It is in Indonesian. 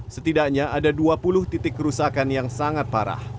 setidaknya ada dua puluh titik kerusakan yang sangat parah